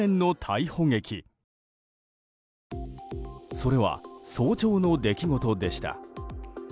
それは、早朝の出来事でした。